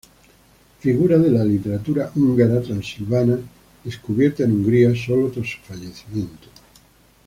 Figura de la literatura húngara transilvana descubierta en Hungría sólo tras su fallecimiento.